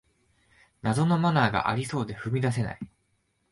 謎のマナーがありそうで踏み出せない